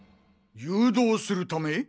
誘導するため？